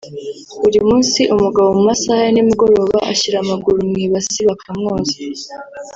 buri munsi umugabo mu masaha ya ni mugoroba ashyira amaguru mu ibasi bakamwoza